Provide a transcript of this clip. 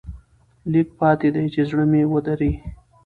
لېږ پاتې دي چې زړه مې ودري.